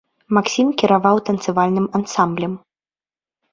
Максім кіраваў танцавальным ансамблем.